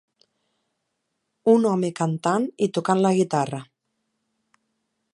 Un home cantant i tocant la guitarra.